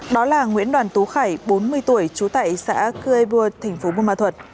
đó là nguyễn đoàn tú khải bốn mươi tuổi trú tại xã cư ê buôn tp buôn ma thuật